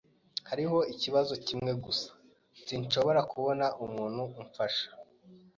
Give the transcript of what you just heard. Hariho ikibazo kimwe gusa. Sinshobora kubona umuntu umfasha.